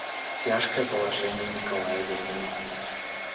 Тяжкое положение Николая Левина.